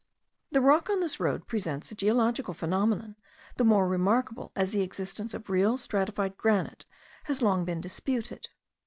The rock on this road presents a geological phenomenon, the more remarkable as the existence of real stratified granite has long been disputed.